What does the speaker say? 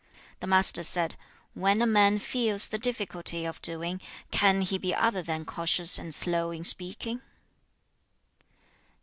The Master said, 'When a man feels the difficulty of doing, can he be other than cautious and slow in speaking?'